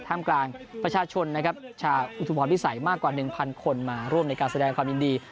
กลางประชาชนนะครับชาวอุทุมพรพิสัยมากกว่า๑๐๐คนมาร่วมในการแสดงความยินดี